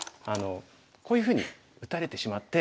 こういうふうに打たれてしまって。